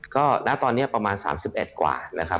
ก็ณตอนนี้ประมาณ๓๑กว่านะครับ